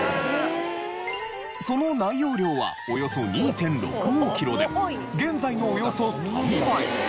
その内容量はおよそ２．６５キロで現在のおよそ３倍！